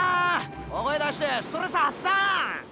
大声出してストレス発散！